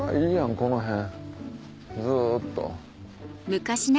この辺ずっと。